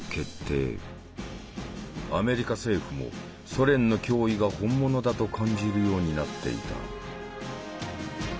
アメリカ政府もソ連の脅威が本物だと感じるようになっていた。